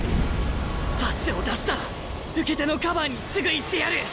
パスを出したら受け手のカバーにすぐ行ってやる。